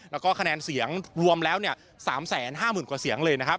แล้วก็คะแนนเสียงรวมแล้ว๓๕๐๐๐กว่าเสียงเลยนะครับ